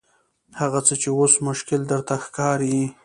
هغه څه چې اوس مشکل درته ښکاري.